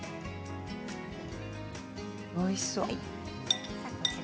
おいしそう。